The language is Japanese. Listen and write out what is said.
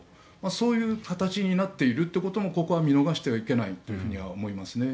そういう形になっているということはここは見逃してはいけないと思います。